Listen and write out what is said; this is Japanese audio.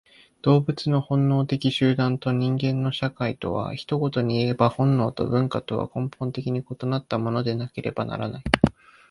動物の本能的集団と人間の社会とは、一言にいえば本能と文化とは根本的に異なったものでなければならない。